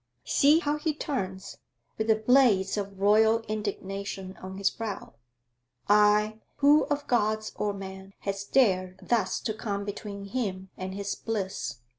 See how he turns, with the blaze of royal indignation on his brow I Who of gods or men has dared thus to come between him and his bliss?